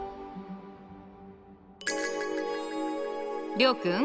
諒君。